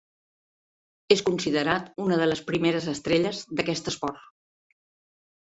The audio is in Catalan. És considerat una de les primeres estrelles d'aquest esport.